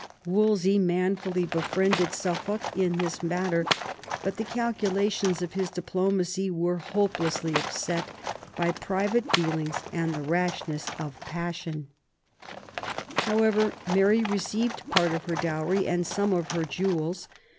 Wolsey manfully befriended Suffolk in this matter, but the calculations of his diplomacy were hope lessly upset by private feelings and the rashness of passioa However, Mary received part of her dowry and some of her jewels.